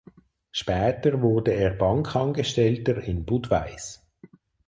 Später wurde er Bankangestellter in Budweis.